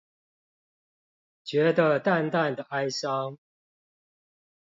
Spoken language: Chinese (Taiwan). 覺得淡淡的哀傷